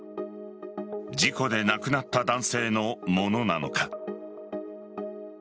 事故で亡くなった男性のものなのか。